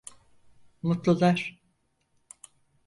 Mutlular…